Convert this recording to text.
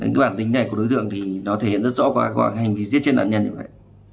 đến cái bản tính này của đối tượng thì nó thể hiện rất rõ qua hành vi giết chết đàn nhân như vậy